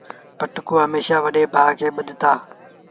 پٽڪو هميشآ وڏي ڀآ کي ٻڌآئيٚتآ۔